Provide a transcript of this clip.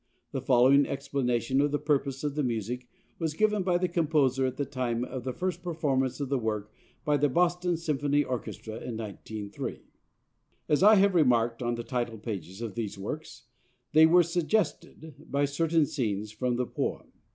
The following explanation of the purpose of the music was given by the composer at the time of the first performance of the work by the Boston Symphony Orchestra in 1903: "... As I have remarked on the title pages of these works, they were suggested by certain scenes from the poem.